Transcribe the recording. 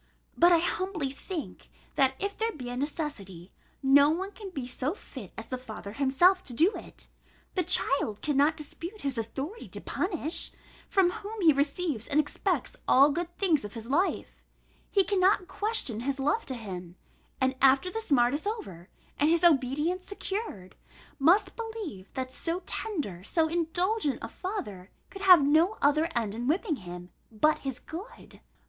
But I humbly think, that if there be a necessity, no one can be so fit as the father himself to do it. The child cannot dispute his authority to punish, from whom he receives and expects all the good things of his life: he cannot question his love to him, and after the smart is over, and his obedience secured, must believe that so tender, so indulgent a father could have no other end in whipping him, but his good.